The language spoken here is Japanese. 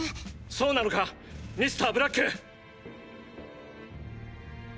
そうなのかミスターブラック！！